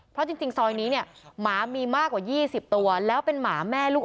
เพราะจริงซอยนี้เนี่ยหมามีมากกว่า๒๐ตัวแล้วเป็นหมาแม่ลูก